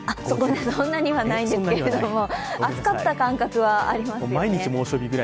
そんなにはないんですけど暑かった感覚はありますね。